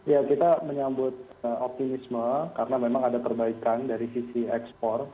ya kita menyambut optimisme karena memang ada perbaikan dari sisi ekspor